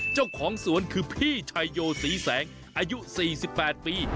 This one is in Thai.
เจ้าของสวนคือพี่ชายโยศรีแสงอายุ๔๘ปี